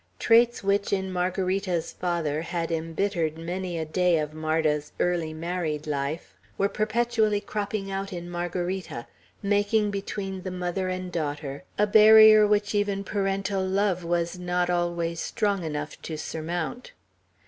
Traits which, in Margarita's father, had embittered many a day of Marda's early married life, were perpetually cropping out in Margarita, making between the mother and daughter a barrier which even parental love was not always strong enough to surmount.